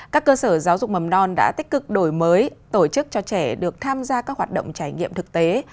các cơ sở giáo dục mầm non đã tích cực đổi mới tổ chức cho trẻ được tham gia các hoạt động trải nghiệm thực tế